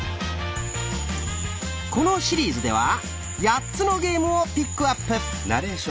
このシリーズでは８つのゲームをピックアップ。